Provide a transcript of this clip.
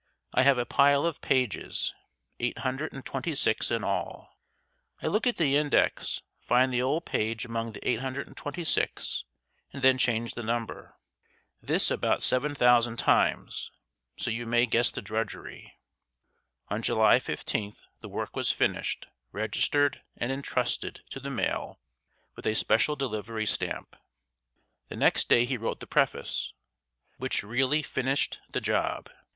I have a pile of pages, 826 in all. I look at the index, find the old page among the 826, and then change the number. This about 7000 times, so you may guess the drudgery." On July 15th, the work was finished, registered, and entrusted to the mail with a special delivery stamp. The next day he wrote the preface, "which really finished the job."